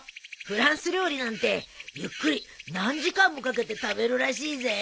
フランス料理なんてゆっくり何時間もかけて食べるらしいぜ。